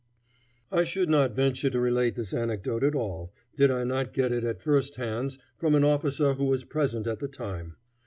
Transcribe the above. '" I should not venture to relate this anecdote at all, did I not get it at first hands from an officer who was present at the time.